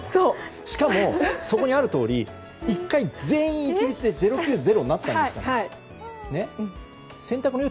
しかも、そこにあるとおり１回、全員一律で０９０になってました。